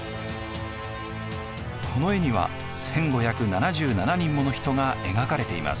この絵には１，５７７人もの人が描かれています。